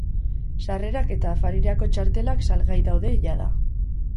Sarrerak eta afarirako txartelak salgai daude jada.